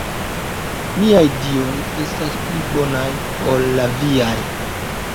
Miaj Dioj estas pli bonaj ol la viaj.